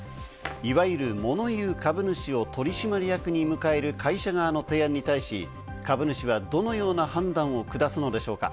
いわゆる、もの言う株主を取締役に迎える会社側の提案に対し、株主はどのような判断を下すのでしょうか。